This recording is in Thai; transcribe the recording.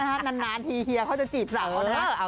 เออนะฮะนานทีเฮียเขาจะจีบสาวนะฮะ